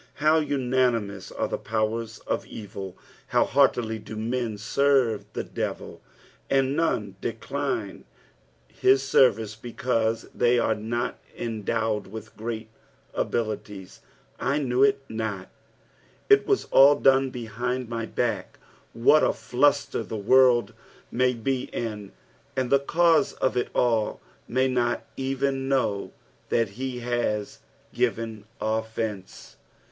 How unanimous are the powers of evil ; how heartily do men serve the devil ; and none decline his service because they are not endowed with great abilities I " I hneie it not." It was all done behind my back. What afiunter the world may be in, and the cause of it all may not even know that he has given offence.